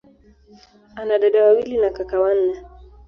Ana dada wawili na kaka wanne.